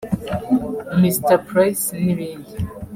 Mr Price n’ibindi